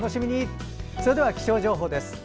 それでは気象情報です。